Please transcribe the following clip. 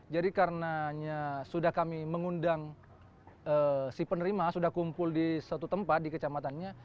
jadi karenanya sudah kami mengundang si penerima sudah kumpul di satu tempat di kecamatannya